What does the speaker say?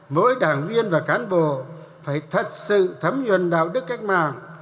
mỗi đảng viên và cán bộ phải thật sự thấm nhuận đạo đức cách mạng